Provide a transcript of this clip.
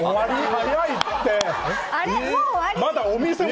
早いって。